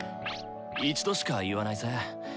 一度しか言わないぜ。